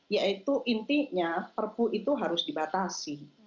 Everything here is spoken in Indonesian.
yaitu intinya perpu itu harus dibatasi